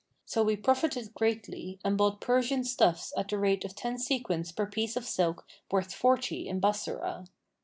So we profited greatly and bought Persian stuffs at the rate of ten sequins per piece of silk worth forty in Bassorah.